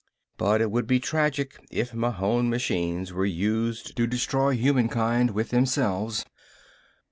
But it would be tragic if Mahon machines were used to destroy humankind with themselves!